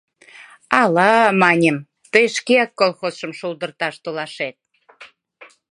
Ала, маньым, тый шкеак колхозшым шолдырташ толашет?